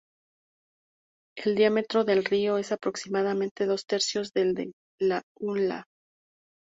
El diámetro del radio es aproximadamente dos tercios del de la ulna.